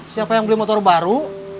siapa yang beli motor baru